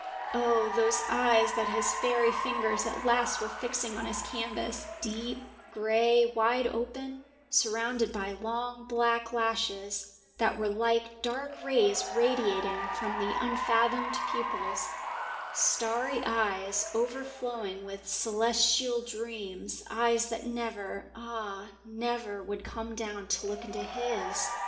Oh, those eyes that his fairy fingers at last were fixing on his canvas: deep, grey, wide open, surrounded by long black lashes that were like dark rays radiating from the unfathomed pupils, starry eyes overflowing with celestial dreams, eyes that never, ah, never would come down to look into his!